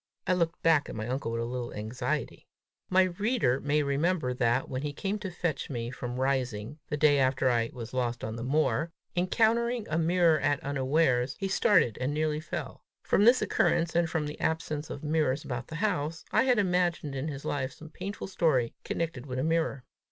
I looked back at my uncle with a little anxiety. My reader may remember that, when he came to fetch me from Rising, the day after I was lost on the moor, encountering a mirror at unawares, he started and nearly fell: from this occurrence, and from the absence of mirrors about the house, I had imagined in his life some painful story connected with a mirror.